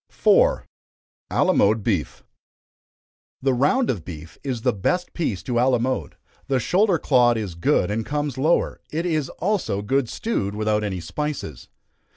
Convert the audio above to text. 4. Alamode Beef. The round of beef is the best piece to alamode the shoulder clod is good, and comes lower; it is also good stewed, without any spices.